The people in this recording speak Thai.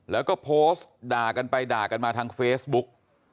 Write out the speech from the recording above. แล้วก็โพสต์ด่ากันไปด่ากันมาทางเฟซบุ๊ก